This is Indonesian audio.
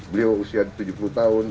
beliau usia tujuh puluh tahun